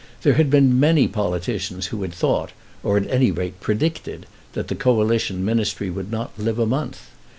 There had been many politicians who had thought, or had, at any rate, predicted, that the Coalition Ministry would not live a month.